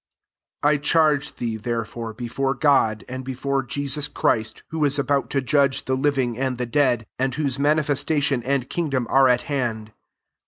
II charge thee [therefore] before God, and d« fore Jesus Christ who is about to judge the living and the dead, and whose manifestation and kingdom are at hand.